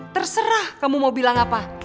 terserah kamu mau bilang apa